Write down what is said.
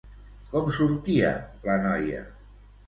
Com sortia la noia?